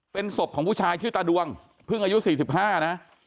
เป็นศพของผู้ชายชื่อตาดวงเพิ่งอายุ๔๕นะ